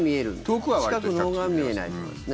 近くのほうが見えないってことですね。